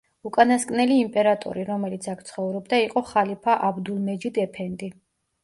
უკანასკნელი იმპერატორი, რომელიც აქ ცხოვრობდა იყო ხალიფა აბდულმეჯიდ ეფენდი.